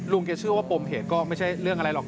แกเชื่อว่าปมเหตุก็ไม่ใช่เรื่องอะไรหรอก